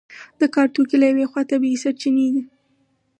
د کار توکي له یوې خوا طبیعي سرچینې دي.